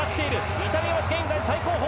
イタリアは現在最後方。